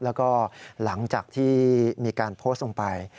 แล้วก็หลังจากที่มีการโพสต์ลงไป